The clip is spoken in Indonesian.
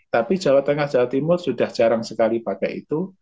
tapi jawa tengah jawa timur sudah jarang sekali pakai itu